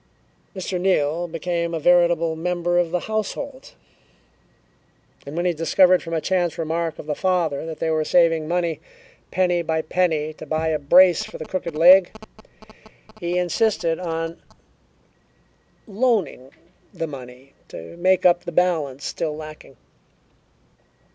Mr. Neal became a veritable member of the household, and when he discovered from a chance remark of the father that they were saving money, penny by penny, to buy a brace for the crooked leg, he insisted on "loaning" the money to make up the balance still lacking.